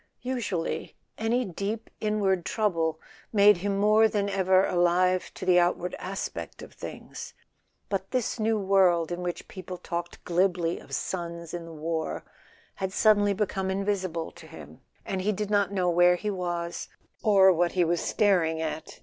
Usually any deep inward trouble made him more than ever alive to the outward aspect of things; but this new world in which people talked glibly of sons in the war had suddenly become invisible to him, and he did not know where he was, or what he was staring at.